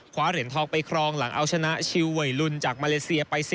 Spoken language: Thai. เหรียญทองไปครองหลังเอาชนะชิลเวยลุนจากมาเลเซียไป๑๐